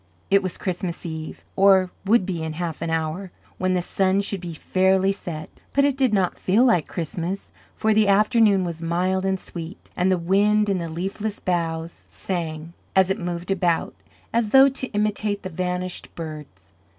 It was Christmas Eve, or would be in half an hour, when the sun should be fairly set; but it did not feel like Christmas, for the afternoon was mild and sweet, and the wind in the leafless boughs sang, as it moved about, as though to imitate the vanished birds.